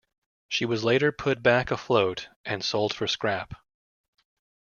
She was later put back afloat, and sold for scrap.